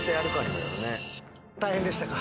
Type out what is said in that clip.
大変でしたか？